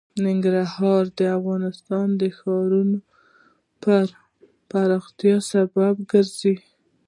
ننګرهار د افغانستان د ښاري پراختیا سبب کېږي.